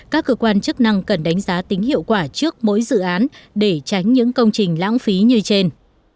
các cơ quan chức năng cần đánh giá tính hiệu quả trước mỗi dự án để tránh những công trình lãng phí như trên